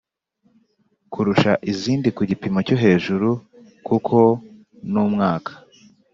kurusha izindi ku gipimo cyo hejuru kuko n umwaka